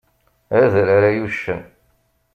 Adrar, ay uccen!